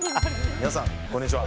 皆さん、こんにちは。